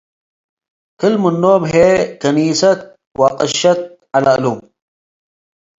ክል-ምኖም ህዬ፡ ከኒሰት ወአቅሸት ዐለ እሉ ።